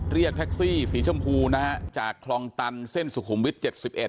เรียกแท็กซี่สีชมพูนะจากคลองตันเส้นสุขุมวิทย์๗๑